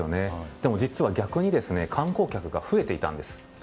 でも実は逆に観光客が増えていたんです。